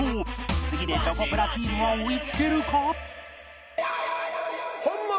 次でチョコプラチームは追い付けるか？